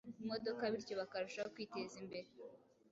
imodoka bityo bakarushaho kwiteza imbere